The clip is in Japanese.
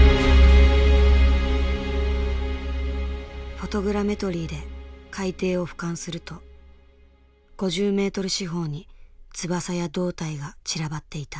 フォトグラメトリーで海底をふかんすると５０メートル四方に翼や胴体が散らばっていた。